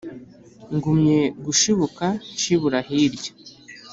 Ngumye gushibuka nshibura hirya,